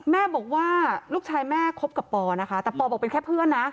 แม่บอกว่าลูกชายแม่คบกับปอนะคะแต่ปอบอกเป็นแค่เพื่อนนะ